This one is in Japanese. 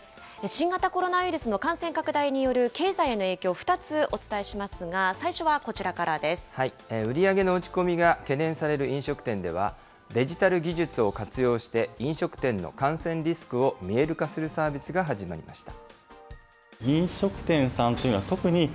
新型コロナウイルスの感染拡大による経済への影響、２つお伝えします売り上げの落ち込みが懸念される懸念される飲食店では、デジタル技術を活用して、飲食店の感染リスクを見える化するサービスが始まりました。